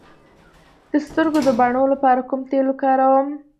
د سترګو د بڼو لپاره کوم تېل وکاروم؟